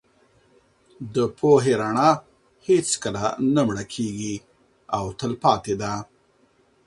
د پوهې رڼا هېڅکله نه مړکېږي او تل پاتې ده.